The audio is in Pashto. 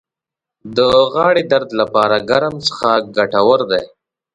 د غاړې درد لپاره ګرم څښاک ګټور دی